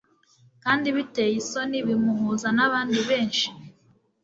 kandi biteye isoni bimuhuza nabandi benshi